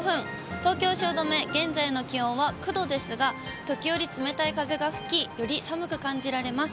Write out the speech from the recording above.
東京・汐留、現在の気温は９度ですが、時折、冷たい風が吹き、より寒く感じられます。